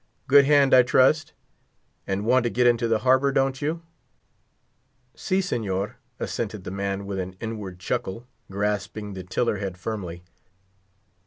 Good hand, I trust? And want to get into the harbor, don't you?" The man assented with an inward chuckle, grasping the tiller head firmly.